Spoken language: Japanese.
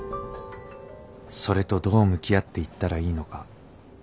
それとどう向き合っていったらいいのか。